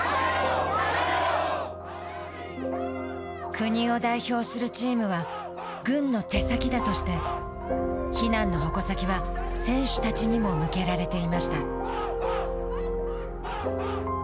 国を代表するチームは軍の手先だとして非難の矛先は選手たちにも向けられていました。